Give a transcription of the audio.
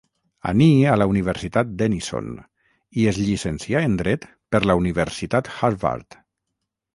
Aní a la Universitat Denison i es llicencià en Dret per la Universitat Harvard.